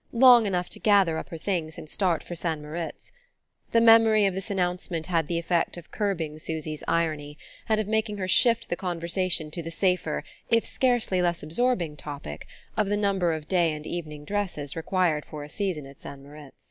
long enough to gather up her things and start for St. Moritz. The memory of this announcement had the effect of curbing Susy's irony, and of making her shift the conversation to the safer if scarcely less absorbing topic of the number of day and evening dresses required for a season at St. Moritz.